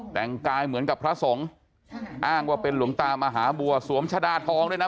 แต่งกายเหมือนกับพระสงฆ์อ้างว่าเป็นหลวงตามหาบัวสวมชะดาทองด้วยนะ